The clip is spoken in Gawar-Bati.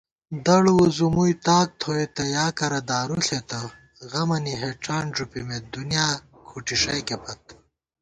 دڑ وُځُومُوئی تاک تھوئیتہ یا کرہ دارُو ݪېتہ * غمَنی ہېڄان ݫُپِمېت دُنیا کھُٹی ݭَئیکے پت